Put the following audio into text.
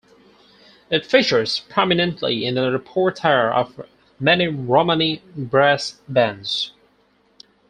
It features prominently in the repertoire of many Romani brass bands.